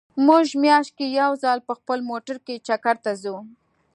مونږ مياشت کې يو ځل په خپل موټر کې چکر ته ځو